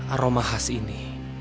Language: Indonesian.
aroma khas ini